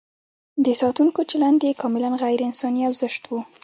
د ساتونکو چلند یې کاملاً غیر انساني او زشت و.